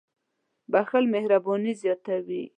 • بښل مهرباني زیاتوي.